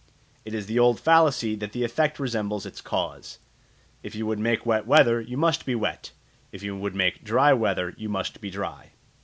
It is the old fallacy that the effect resembles its cause: if you would make wet weather, you must be wet; if you would make dry weather, you must be dry.